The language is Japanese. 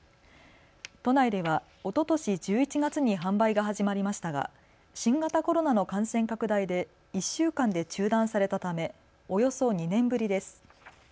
都内ではおととし１１月に販売が始まりましたが新型コロナの感染拡大で１週間で中断されたため、およそ２年ぶりです。